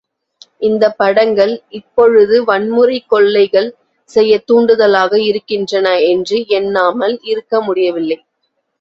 இந்தப் படங்கள் இப்பொழுது வன்முறை கொள்ளைகள் செய்யத் தூண்டுதலாக இருக்கின்றன என்று எண்ணாமல் இருக்க முடியவில்லை.